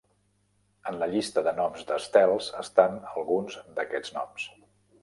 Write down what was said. En la llista de noms d'estels estan alguns d'aquests noms.